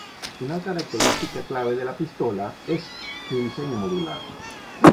Una característica clave de la pistola es su diseño modular.